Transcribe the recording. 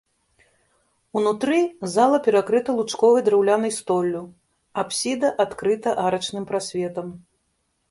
Унутры зала перакрыта лучковай драўлянай столлю, апсіда адкрыта арачным прасветам.